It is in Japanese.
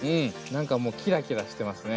何かもうキラキラしてますね。